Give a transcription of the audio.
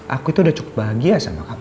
aku itu udah cukup bahagia sama aku